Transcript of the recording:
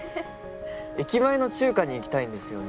駅前の中華に行きたいんですよね